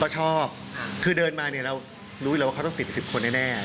ก็ชอบคือเดินมาเรารู้แล้วว่าเขาต้องติดกับ๑๐คนแน่